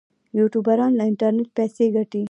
یوټیوبران له انټرنیټ پیسې ګټي